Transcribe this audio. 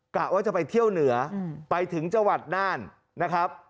กะว่าจะไปเที่ยวเหนือไปถึงจังหวัดน่านนะครับ